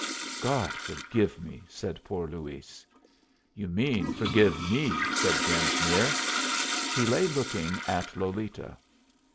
"God forgive me!" said poor Luis. "You mean forgive me," said Genesmere. He lay looking at Lolita.